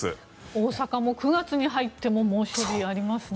大阪も９月に入っても猛暑日がありますね。